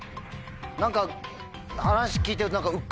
何か話聞いてると。